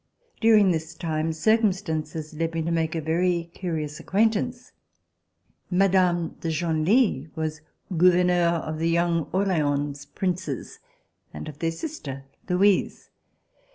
During this time circumstances led me to make a very curious acquaintance. Mme. de Genlis was gou verneur of the young Orleans Princes and of their sister Louise.